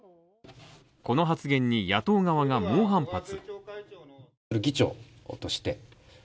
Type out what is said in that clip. この発言に野党側が猛反発。